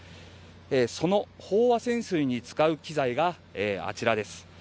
その飽和潜水に使う機材があちらです。